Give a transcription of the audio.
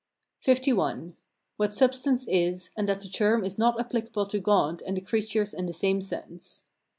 LI. What substance is, and that the term is not applicable to God and the creatures in the same sense.